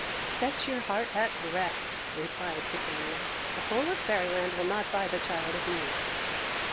"Set your heart at rest," replied Titania; "the whole of Fairyland will not buy the child of me."